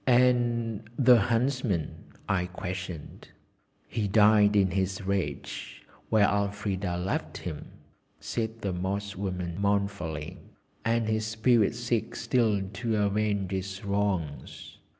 "And the Huntsman?" I questioned. "He died in his rage, where Elfrida left him!" said the Moss woman mournfully, "and his spirit seeks still to avenge his wrongs.